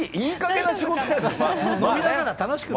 飲みながら楽しくね。